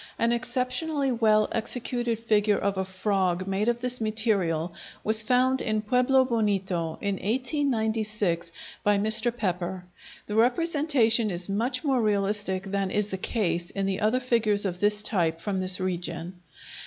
An exceptionally well executed figure of a frog made of this material was found in Pueblo Bonito, in 1896, by Mr. Pepper. The representation is much more realistic than is the case in the other figures of this type from this region.